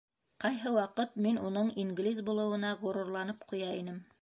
Ҡайһы ваҡыт мин уның инглиз булыуына ғорурланып ҡуя инем.